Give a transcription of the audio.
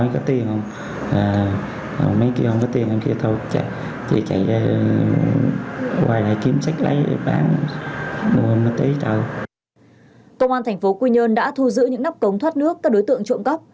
công an tp quy nhơn đã thu giữ những nắp cống thoát nước các đối tượng trộm cốc